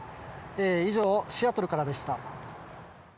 以上、シアトルからでした。